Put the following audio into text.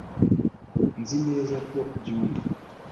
nzi neza ko ubyumva